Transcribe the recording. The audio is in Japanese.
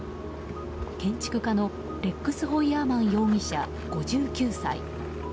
建築家のレックス・ホイヤーマン容疑者５９歳。